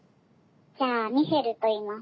じゃあミシェルといいます。